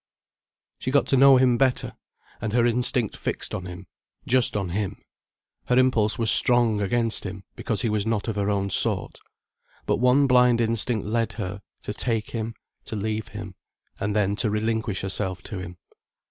She got to know him better, and her instinct fixed on him—just on him. Her impulse was strong against him, because he was not of her own sort. But one blind instinct led her, to take him, to leave him, and then to relinquish herself to him.